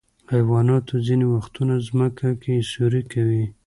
حیوانات ځینې وختونه ځمکه کې سوری کوي.